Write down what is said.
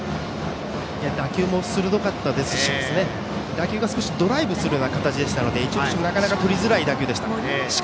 打球も鋭かったですし打球が少しドライブするような形でしたので一塁手もなかなか取りづらい打球でした。